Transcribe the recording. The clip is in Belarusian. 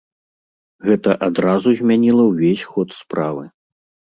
Гэта адразу змяніла ўвесь ход справы.